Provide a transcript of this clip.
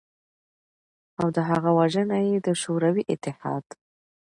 او د هغه وژنه ېې د شوروی اتحاد